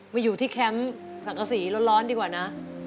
มาอยู่ที่แคมป์สังกษีร้อนดีกว่านะ